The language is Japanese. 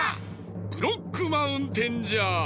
ブロックマウンテンじゃ！